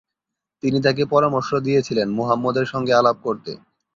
তিনি তাকে পরামর্শ দিয়েছিলেন মুহাম্মদের সঙ্গে আলাপ করতে।